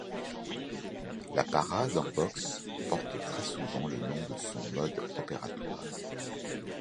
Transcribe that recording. La parade en boxe porte très souvent le nom de son mode opératoire.